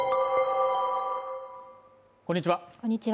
こんにちは